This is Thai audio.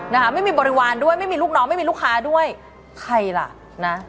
นะคะไม่มีบริวารด้วยไม่มีลูกน้องไม่มีลูกค้าด้วยใครล่ะนะ